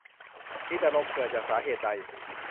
มีแต่ลม เกิดจากสาเหตุใด